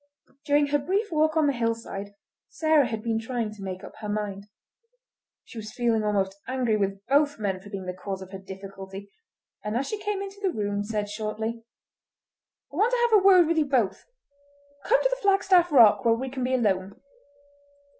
During her brief walk on the hillside Sarah had been trying to make up her mind. She was feeling almost angry with both men for being the cause of her difficulty, and as she came into the room said shortly: "I want to have a word with you both—come to the Flagstaff Rock, where we can be alone."